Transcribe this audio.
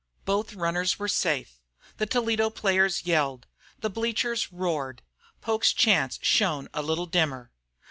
Both runners were safe. The Toledo players yelled; the bleachers roared; Poke's chance shone a little dimmer.